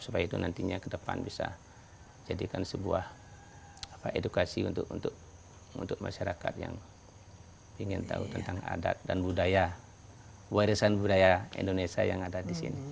supaya itu nantinya ke depan bisa jadikan sebuah edukasi untuk masyarakat yang ingin tahu tentang adat dan budaya warisan budaya indonesia yang ada di sini